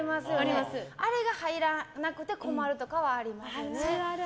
あれが入らなくて困るとかはありますね。